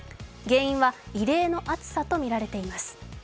原因は異例の暑さとみられています。